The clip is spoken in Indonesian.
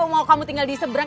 mau kamu tinggal di seberang